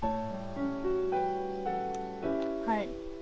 はい。